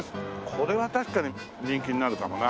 これは確かに人気になるかもな。